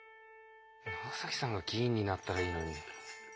長さんが議員になったらいいのに。